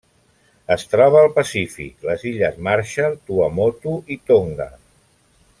Es troba al Pacífic: les illes Marshall, Tuamotu i Tonga.